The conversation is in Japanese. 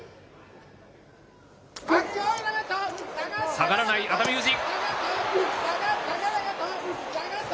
下がらない、熱海富士。